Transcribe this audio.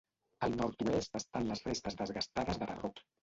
Al nord-oest estan les restes desgastades de Parrot.